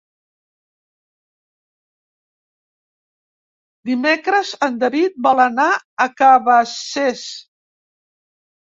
Dimecres en David vol anar a Cabacés.